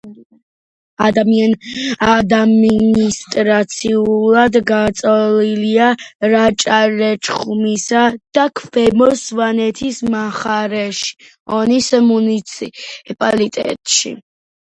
ადმინისტრაციულად გაწოლილია რაჭა-ლეჩხუმისა და ქვემო სვანეთის მხარეში, ონის მუნიციპალიტეტში.